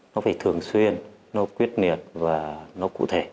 nó phải thường xuyên nó quyết liệt và nó cụ thể